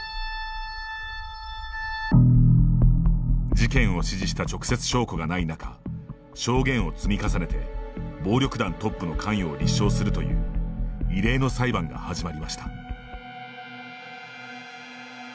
事件を指示した直接証拠がない中証言を積み重ねて暴力団トップの関与を立証するという異例の裁判が始まりました。